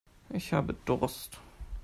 Ich habe Durst.